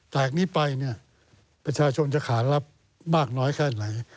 จากนี้ไปเนี่ยประชาชนจะขารับมากน้อยแค่ไหน